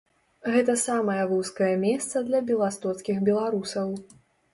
Гэта самае вузкае месца для беластоцкіх беларусаў.